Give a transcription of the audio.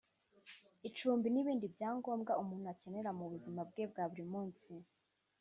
icumbi n’ibindi byangombwa umuntu akenera mu buzima bwe bwa buri munsi